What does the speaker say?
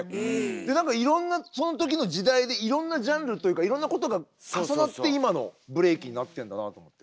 で何かいろんなその時の時代でいろんなジャンルというかいろんなことが重なって今のブレイキンになってんだなあと思って。